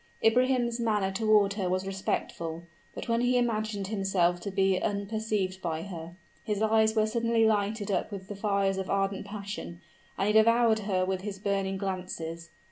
Ibrahim's manner toward her was respectful; but when he imagined himself to be unperceived by her, his eyes were suddenly lighted up with the fires of ardent passion; and he devoured her with his burning glances.